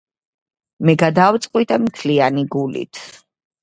მე გადავწყვიტე მთლიანი გულით